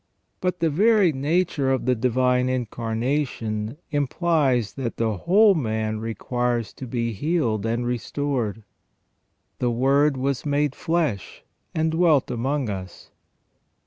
But the very nature of the Divine Incarnation implies that the whole man requires to be healed and restored. " The Word was made flesh and dwelt among us."